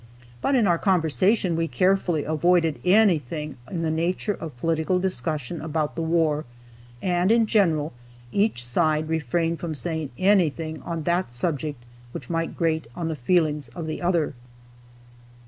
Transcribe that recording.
But in our conversation we carefully avoided anything in the nature of political discussion about the war, and in general each side refrained from saying anything on that subject which might grate on the feelings of the other.